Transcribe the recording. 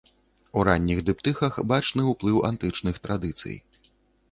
У ранніх дыптыхах бачны ўплыў антычных традыцый.